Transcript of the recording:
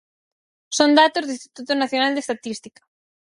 Son datos do Instituto Nacional de Estatística.